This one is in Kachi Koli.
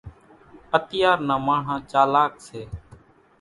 اتيار نان ماڻۿان چالاڪ سي۔